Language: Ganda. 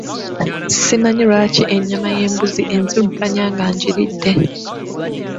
Simanyi lwaki ennyama y'embuzi enzirukanya nga ngiridde.